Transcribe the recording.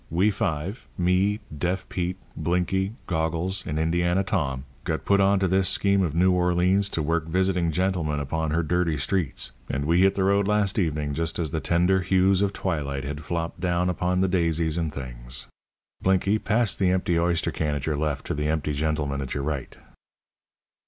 We five me, Deaf Pete, Blinky, Goggles, and Indiana Tom got put on to this scheme of Noo Orleans to work visiting gentlemen upon her dirty streets, and we hit the road last evening just as the tender hues of twilight had flopped down upon the daisies and things. Blinky, pass the empty oyster can at your left to the empty gentleman at your right."